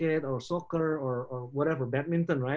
atau bola bola atau apa saja badminton kan